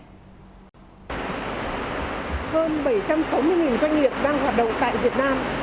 hơn bảy trăm sáu mươi doanh nghiệp đang hoạt động tại việt nam